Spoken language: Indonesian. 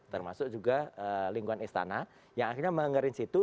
termasuk juga lingkuan istana yang akhirnya mengerin situ